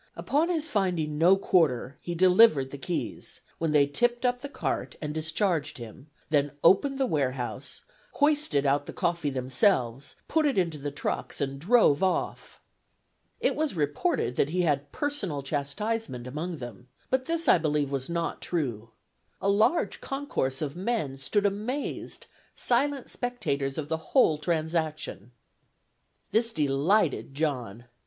Upon his finding no quarter, he delivered the keys, when they tipped up the cart and discharged him; then opened the warehouse, hoisted out the coffee themselves, put it into the trucks, and drove off. "It was reported that he had personal chastisement among them; but this, I believe, was not true. A large concourse of men stood amazed, silent spectators of the whole transaction." This delighted John.